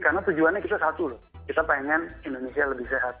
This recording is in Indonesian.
karena tujuannya kita satu loh kita pengen indonesia lebih sehat